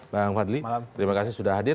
bang fadli terima kasih sudah hadir